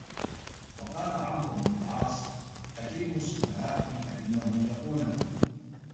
وَقَالَ عَمْرُو بْنُ الْعَاصِ أَكْرِمُوا سُفَهَاءَكُمْ فَإِنَّهُمْ يَقُونَكُمْ